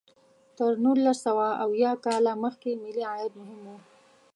تر نولس سوه اویا کال مخکې ملي عاید مهم و.